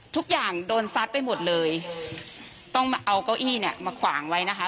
ทุกอย่างโดนซัดไปหมดเลยต้องมาเอาเก้าอี้เนี่ยมาขวางไว้นะคะ